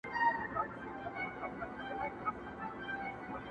په اوج کي د ځوانۍ مي اظهار وکئ ستا د میني,